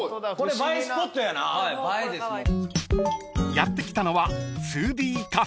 ［やって来たのは］